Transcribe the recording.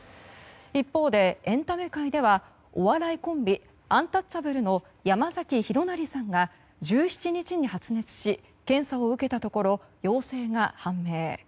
一方でエンタメ界ではお笑いコンビアンタッチャブルの山崎弘也さんが１７日に発熱し検査を受けたところ陽性が判明。